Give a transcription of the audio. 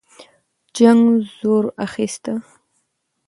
جنګ زور اخیسته.